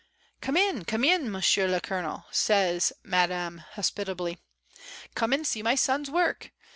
"Come in, come in, Monsieur le Colonel," says Madame hospitably. "Come and see my son's work.